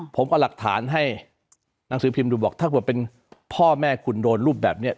ผมเอาหลักฐานให้หนังสือพิมพ์ดูบอกถ้าเกิดเป็นพ่อแม่คุณโดนรูปแบบนี้